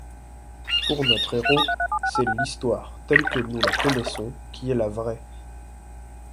Pour notre héros, c'est l'Histoire telle que nous la connaissons qui est la vraie.